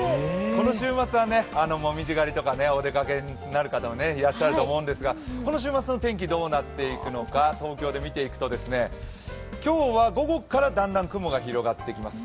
この週末は、紅葉狩とかお出かけになる方もいらっしゃると思うんですが、この週末の天気、どうなっていくのか東京で見ていくと、今日は午後からだんだん雲が広がってきます。